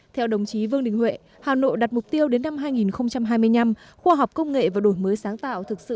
theo đồng chí vương đình huệ hà nội đặt mục tiêu đến năm hai nghìn hai mươi năm khoa học công nghệ và đổi mới sáng tạo thực sự là một trường đại học